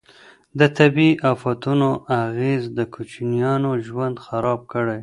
د طبیعي افتونو اغیز د کوچیانو ژوند خراب کړی.